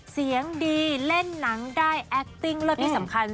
เสียงดีเล่นหนังได้แอคติ้งเลิศที่สำคัญ